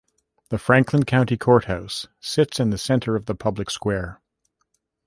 The Franklin County Courthouse sits in the center of the Public Square.